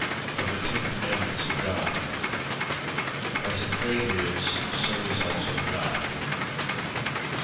Of the Ten Commandments of God. As the Faith is, so is also God.